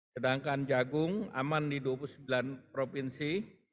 sedangkan jagung aman di dua puluh sembilan provinsi